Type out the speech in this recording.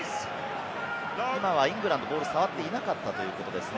今はイングランド、ボールに触っていなかったということですね。